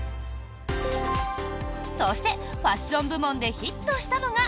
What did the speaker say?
そして、ファッション部門でヒットしたのが。